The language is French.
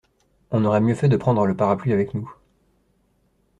On aurait mieux fait de prendre le parapluie avec nous.